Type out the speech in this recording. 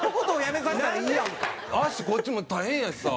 足こっちも大変やしさ。